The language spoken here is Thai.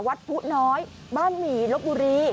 ผู้น้อยบ้านหมี่ลบบุรี